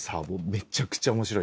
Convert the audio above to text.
めちゃくちゃ面白いよ。